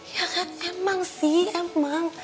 ya emang sih emang